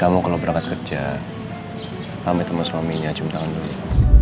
kamu kalau berangkat kerja pamit sama suaminya jumlahan dulu